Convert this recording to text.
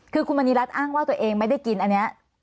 คือคุณมณีรัฐอ้างว่าตัวเองไม่ได้กินอันนี้